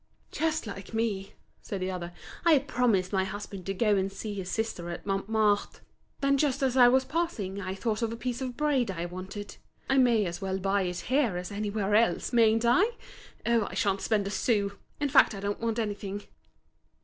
"Just like me," said the other. "I promised my husband to go and see his sister at Montmartre. Then just as I was passing, I thought of a piece of braid I wanted. I may as well buy it here as anywhere else, mayn't I? Oh, I sha'n't spend a sou! in fact I don't want anything."